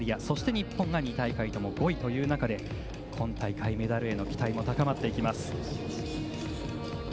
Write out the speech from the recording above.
そして、日本が２大会とも５位ということで今大会、メダルへの期待も高まっていきます。